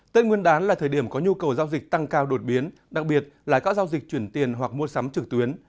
tết nguyên đán là thời điểm có nhu cầu giao dịch tăng cao đột biến đặc biệt là các giao dịch chuyển tiền hoặc mua sắm trực tuyến